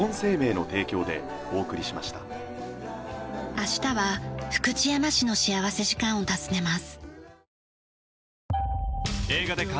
明日は福知山市の幸福時間を訪ねます。